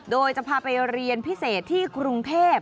โดยจะพาไปเรียนพิเศษที่กรุงเทพ